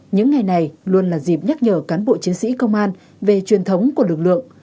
những ngày này luôn là dịp nhắc nhở cán bộ chiến sĩ công an về truyền thống của lực lượng